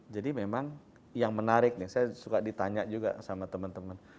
jadi memang yang menarik nih saya juga suka ditanya sama teman teman